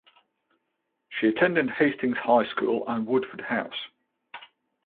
She attended Hastings High School and Woodford House.